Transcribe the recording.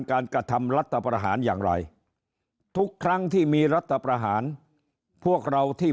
กระทำรัฐประหารอย่างไรทุกครั้งที่มีรัฐประหารพวกเราที่